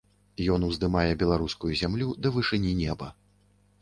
Ён уздымае беларускую зямлю да вышыні неба.